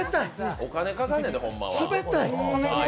お金かかんねんで、ホンマは！